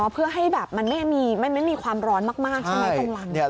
เพื่อให้แบบมันไม่มีความร้อนมากใช่ไหมตรงรัง